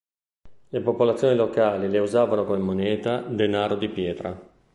Le popolazioni locali le usavano come moneta, "denaro di pietra".